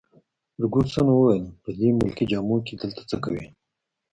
فرګوسن وویل: په دې ملکي جامو کي دلته څه کوي؟